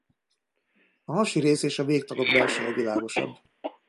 A hasi rész és a végtagok belseje világosabb.